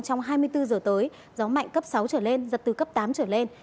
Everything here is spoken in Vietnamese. trong hai mươi bốn giờ tới gió mạnh cấp sáu trở lên giật từ cấp tám trở lên